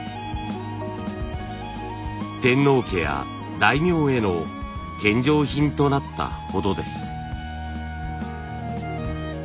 天皇家や大名への献上品となったほどです。